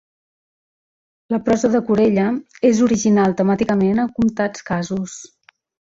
La prosa de Corella és original temàticament en comtats casos.